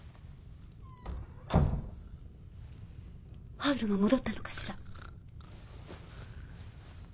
ハウルが戻ったのかしら。